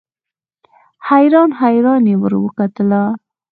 حیران حیران یې ورته کتل.